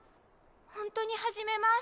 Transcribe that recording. ほんとに始めます。